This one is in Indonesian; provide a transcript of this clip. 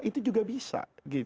itu juga bisa